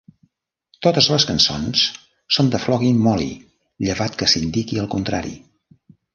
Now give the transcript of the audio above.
Totes les cançons són de Flogging Molly, llevat que s'indiqui el contrari.